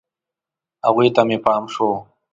هغوی ته مې پام شو.